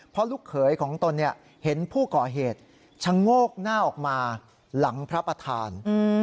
เพราะลูกเขยของตนเห็นผู้ก่อเหตุชะโงกหน้าออกมาหลังพระประธาน